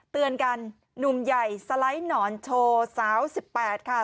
เตือนกันหนุ่มใหญ่สไลด์หนอนโชว์สาว๑๘ค่ะ